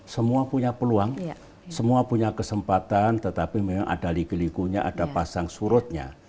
semua punya peluang semua punya kesempatan tetapi memang ada liku likunya ada pasang surutnya